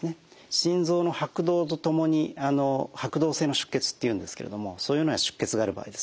心臓の拍動とともに拍動性の出血っていうんですけれどもそういうような出血がある場合ですね